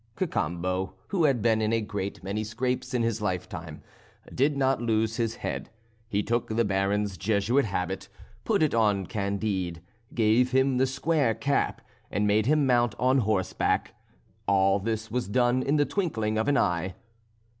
Cacambo, who had been in a great many scrapes in his lifetime, did not lose his head; he took the Baron's Jesuit habit, put it on Candide, gave him the square cap, and made him mount on horseback. All this was done in the twinkling of an eye.